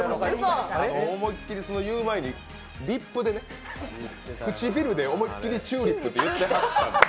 思いっきり言う前にリップでね、くちびるでチューリップって言ってはったんです。